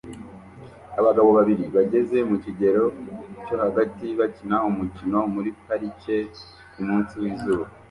Abagabo babiri bageze mu kigero cyo hagati bakina umukino muri parike kumunsi wizuba